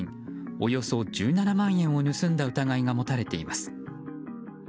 およそ１７万円を盗んだ疑いが持たれています。